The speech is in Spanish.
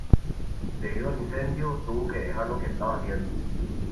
Debido al incendio, tuvo que dejar lo que estaba haciendo.